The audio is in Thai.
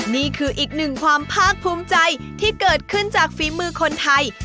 นี่คืออีกหนึ่งความภาคภูมิใจที่เกิดขึ้นจากฝีมือคนไทย